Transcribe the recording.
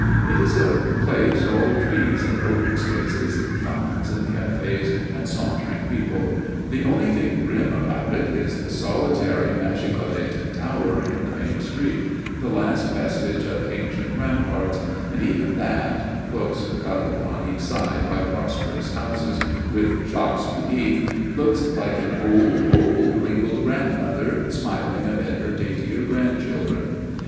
It is a place all trees and open spaces, and fountains and cafés, and sauntering people. The only thing grim about it is the solitary machicolated tower in the main street, the last vestige of ancient ramparts; and even that, close cuddled on each side by prosperous houses with shops beneath, looks like an old, old, wrinkled grandmother smiling amid her daintier grandchildren.